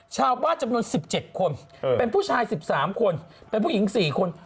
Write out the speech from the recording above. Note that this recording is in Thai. จำนวน๑๗คนเป็นผู้ชาย๑๓คนเป็นผู้หญิง๔คน